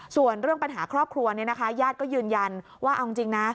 ส่วนเรื่องปัญหาครอบครัวญาติก็ยืนยันว่าเอาจริงนะ